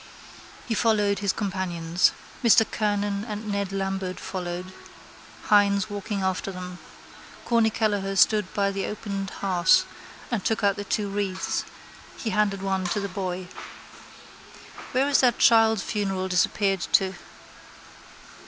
He followed his companions. Mr Kernan and Ned Lambert followed, Hynes walking after them. Corny Kelleher stood by the opened hearse and took out the two wreaths. He handed one to the boy. Where is that child's funeral disappeared to?